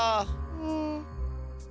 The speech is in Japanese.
うん。